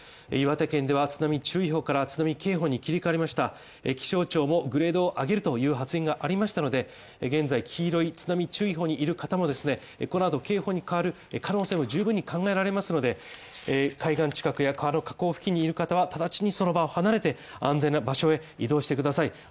岩手県では津波注意報から津波警報に切り替えました気象庁もグレードを上げるという発言がありましたので現在黄色い津波注意報にいる方もですね、この後警報に変わる可能性も十分に考えられますので、海岸近くや河口付近にいる方は直ちにその場を離れて安全な場所へ移動してください